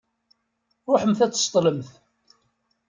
Ṛuḥemt ad d-tseṭṭlemt.